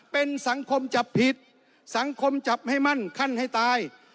เป็นสังคมจับผิดสังคมจับให้มั่นขั้นให้ตาย